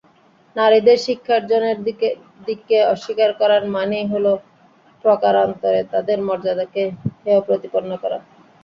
নারীদের শিক্ষার্জনের দিককে অস্বীকার করার মানেই হলো প্রকারান্তরে তাদের মর্যাদাকে হেয়প্রতিপন্ন করা।